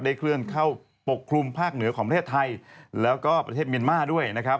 เคลื่อนเข้าปกคลุมภาคเหนือของประเทศไทยแล้วก็ประเทศเมียนมาร์ด้วยนะครับ